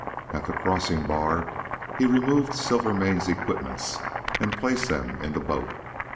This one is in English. At the crossing bar he removed Silvermane's equipments and placed them in the boat.